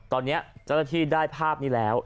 ตอนนี้เจ้าหน้าที่ได้ภาพนี้แล้ว